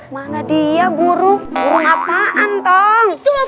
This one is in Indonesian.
mana dia buruk mix apaan tom itu purpr